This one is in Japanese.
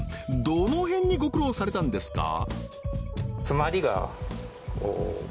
どの辺にご苦労されたんですか？